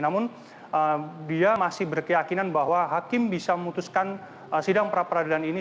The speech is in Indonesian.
namun dia masih berkeyakinan bahwa hakim bisa memutuskan sidang pra peradilan ini